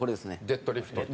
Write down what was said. デッドリフト。